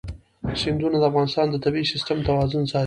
سیندونه د افغانستان د طبعي سیسټم توازن ساتي.